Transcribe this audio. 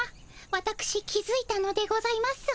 わたくし気づいたのでございます。